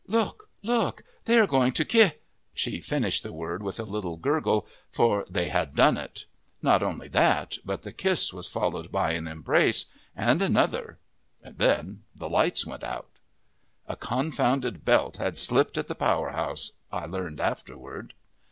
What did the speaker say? Look, look, they are going to ki " She finished the word with a little gurgle, for they had done it! Not only that, but the kiss was followed by an embrace, and another, and then the lights went out. A confounded belt had slipped at the powerhouse, I learned afterward.